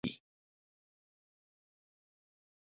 بېنډۍ د بدن تودوخه ټیټوي